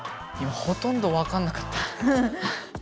ほとんどわかんなかったハァ。